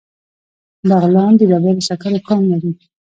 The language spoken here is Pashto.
بغلان د ډبرو سکرو کان لري